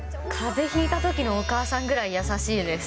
ぜひいたときのお母さんぐらい優しいです。